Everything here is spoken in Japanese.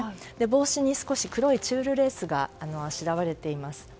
帽子に少し黒いチュールレースがあしらわれています。